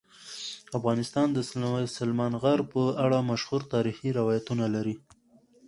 افغانستان د سلیمان غر په اړه مشهور تاریخی روایتونه لري.